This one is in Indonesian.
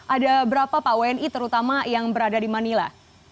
ada berapa pak wni terutama yang berada di manila